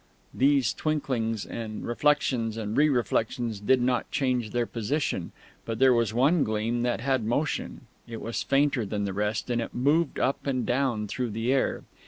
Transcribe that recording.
These twinklings and reflections and re reflections did not change their position; but there was one gleam that had motion. It was fainter than the rest, and it moved up and down through the air.